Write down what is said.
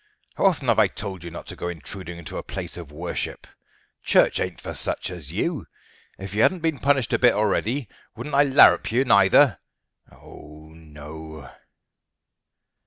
How often have I told you not to go intruding into a place of worship? Church ain't for such as you. If you had'nt been punished a bit already, wouldn't I larrup you neither? Oh, no!"